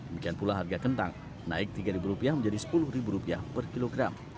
demikian pula harga kentang naik tiga ribu rupiah menjadi sepuluh ribu rupiah per kilogram